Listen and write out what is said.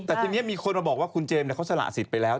แต่ทีนี้มีคนมาบอกว่าคุณเจมส์เขาสละสิทธิ์ไปแล้ว